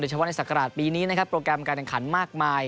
เฉพาะในศักราชปีนี้นะครับโปรแกรมการแข่งขันมากมาย